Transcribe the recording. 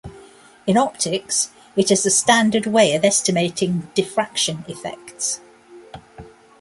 In optics, it is a standard way of estimating diffraction effects.